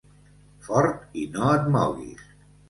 Fort i no et moguis.